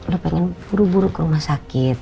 udah pengen buru buru ke rumah sakit